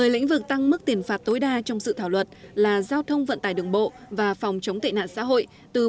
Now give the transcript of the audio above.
một mươi lĩnh vực tăng mức tiền phạt tối đa trong dự thảo luật là giao thông vận tải đường bộ và phòng chống tệ nạn xã hội